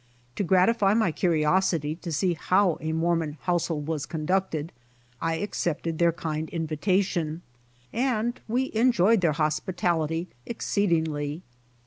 To gratify my curiosity to see how a Mormon household was con ducted, I accepted their kind invitation, and we enjoyed their hospitality exceedingly.